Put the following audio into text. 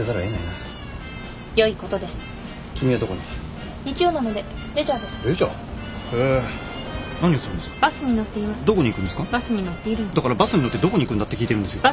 だからバスに乗ってどこに行くんだって聞いてるんですよ。